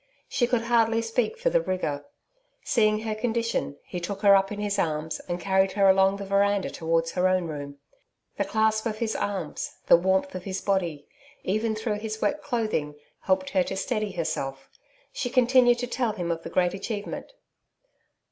She could hardly speak for the rigor. Seeing her condition, he took her up in his arms, and carried her along the veranda towards her own room. The clasp of his arms, the warmth of his body, even through his wet clothing helped her to steady herself. She continued to tell him of the great achievement.